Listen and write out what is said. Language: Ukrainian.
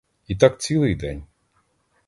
І так цілий день.